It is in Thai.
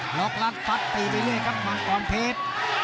หลอกลัดฟัดตีไปเรื่อยครับความอ่อนเทศ